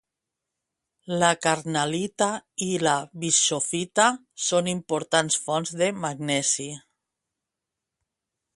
La carnal·lita i la bischofita són importants fonts de magnesi.